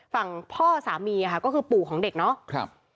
ฝั่งพ่อสามีก็คือปู่ของเด็กเนาะครับ